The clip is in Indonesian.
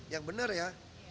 yang bener ya